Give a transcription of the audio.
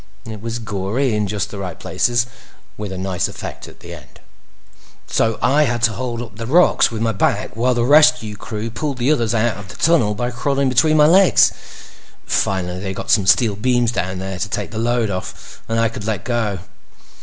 It was gory in just the right places, with a nice effect at the end. "—so I had to hold up the rocks with my back while the rescue crew pulled the others out of the tunnel by crawling between my legs. Finally, they got some steel beams down there to take the load off, and I could let go.